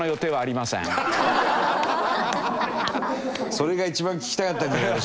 それが一番聞きたかったんじゃないの？